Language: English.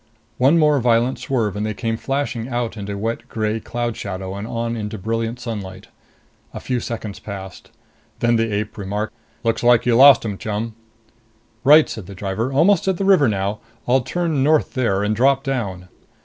One more violent swerve and they came flashing out into wet gray cloud shadow and on into brilliant sunlight. A few seconds passed. Then the ape remarked, "Looks like you lost them, chum." "Right," said the driver. "Almost at the river now. I'll turn north there and drop down."